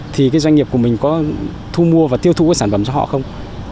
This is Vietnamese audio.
thì cái doanh nghiệp của mình có thu mua và tiêu thụ cái sản phẩm cho họ không